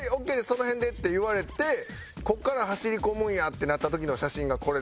その辺で」って言われてここから走り込むんやってなった時の写真がこれです。